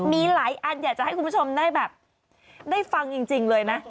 มีหลายอันอยากจะให้คุณผู้ชมได้แบบได้ฟังจริงเลยนะ